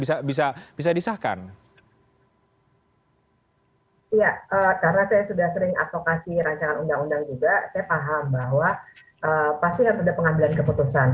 iya karena saya sudah sering advokasi rancangan undang undang juga saya paham bahwa pasti harus ada pengambilan keputusan